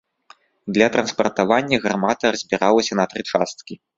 Для транспартавання гармата разбіралася на тры часткі.